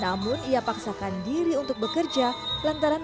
namun ia paksakan diri untuk bekerja lantaran berbagai kebutuhan sehatnya